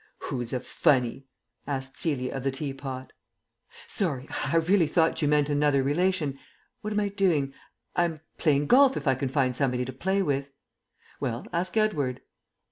"Who's a funny?" asked Celia of the teapot. "Sorry; I really thought you meant another relation. What am I doing? I'm playing golf if I can find somebody to play with." "Well, ask Edward."